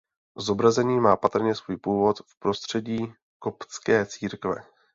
Zobrazení má patrně svůj původ v prostředí koptské církve.